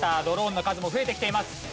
ドローンの数も増えてきています。